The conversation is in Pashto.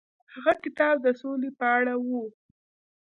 هغه کتاب د سولې په اړه و.